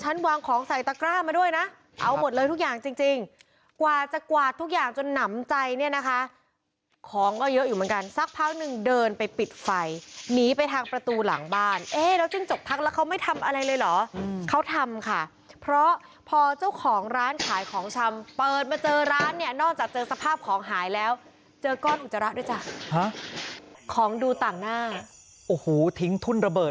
วางของใส่ตะกร้ามาด้วยนะเอาหมดเลยทุกอย่างจริงจริงกว่าจะกวาดทุกอย่างจนหนำใจเนี่ยนะคะของก็เยอะอยู่เหมือนกันสักพักหนึ่งเดินไปปิดไฟหนีไปทางประตูหลังบ้านเอ๊ะแล้วจิ้งจกทักแล้วเขาไม่ทำอะไรเลยเหรอเขาทำค่ะเพราะพอเจ้าของร้านขายของชำเปิดมาเจอร้านเนี่ยนอกจากเจอสภาพของหายแล้วเจอก้อนอุจจาระด้วยจ้ะของดูต่างหน้าโอ้โหทิ้งทุ่นระเบิ